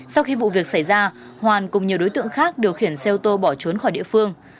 sau khi vụ việc xảy ra hoàn cùng nhiều đối tượng khác điều khiển xe ô tô bỏ trốn khỏi địa phương